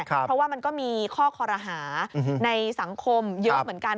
เพราะว่ามันก็มีข้อคอรหาในสังคมเยอะเหมือนกัน